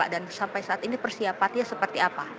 dan sampai saat ini persiapannya seperti apa